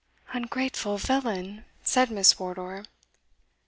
"Ungrateful villain!" said Miss Wardour.